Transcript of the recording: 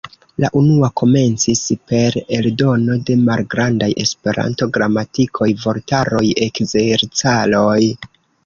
La unua komencis per eldono de malgrandaj Esperanto-gramatikoj, vortaroj, ekzercaroj.